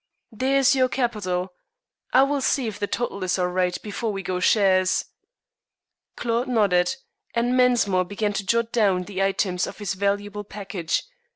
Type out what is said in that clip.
"There's your capital. I will see if the total is all right before we go shares." Claude nodded, and Mensmore began to jot down the items of his valuable package.